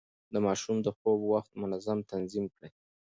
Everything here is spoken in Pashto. د ماشوم د خوب وخت منظم تنظيم کړئ.